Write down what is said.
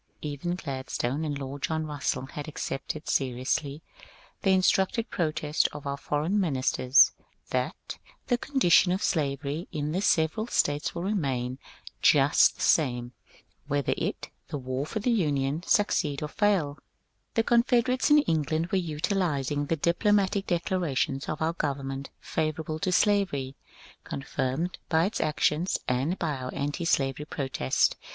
Even Gladstone and Lord John Russell had accepted seriously the instructed protests of our foreign ministers that ^^The condition of slavery in the several States will remain just the same whether it [the war for the Union] succeed or faiL" The Confederates in England were utilizing the diplomatic declarations of our government favourable to slavery, con firmed by its actions and by our antislavery protests.